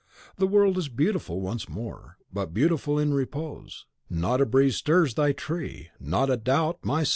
The world is beautiful once more, but beautiful in repose, not a breeze stirs thy tree, not a doubt my soul!"